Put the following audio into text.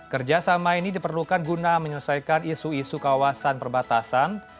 kerjasama ini diperlukan guna menyelesaikan isu isu kawasan perbatasan